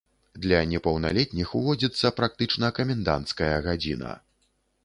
Для непаўналетніх ўводзіцца практычна каменданцкая гадзіна.